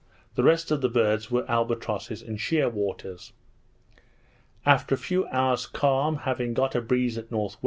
The rest of the birds were albatrosses and sheer waters. After a few hours calm, having got a breeze at N.W.